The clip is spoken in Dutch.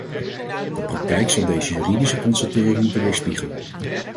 De praktijk zal deze juridische constatering moeten weerspiegelen.